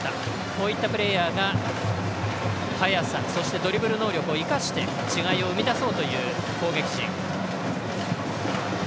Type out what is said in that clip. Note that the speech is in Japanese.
こういったプレーヤーが速さ、ドリブル能力を生かして違いを生み出そうという攻撃陣。